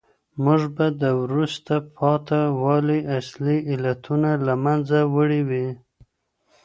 موږ به د وروسته پاته والي اصلي علتونه له منځه وړي وي.